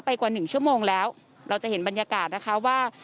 กว่าหนึ่งชั่วโมงแล้วเราจะเห็นบรรยากาศนะคะว่า